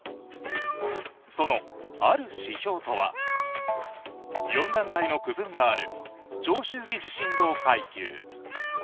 その、ある指標とは４段階の区分がある長周期地震動階級。